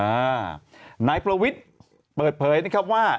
อ่านายประวิทย์เปิดเผยนะครับว่า